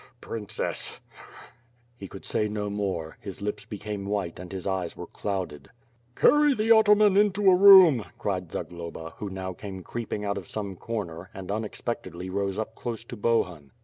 ... Princess. ..." lie could say no more; his lips became white and his eyes were clouded. C/arry the ataman into a room," cried Zagloba, who now came creeping out of some corner, and unexpectedly rose up close to Bohun.